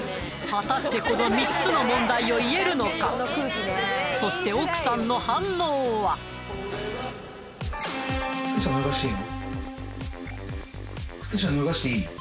果たしてこの３つの問題を言えるのかそして奥さんの反応は靴下脱がしていいの？